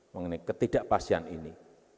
mengenai ketidakpastian ini